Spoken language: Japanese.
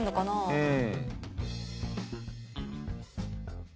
うん。